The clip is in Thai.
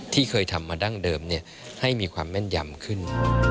ที่เคยทำมาดั้งเดิมให้มีความแม่นยำขึ้น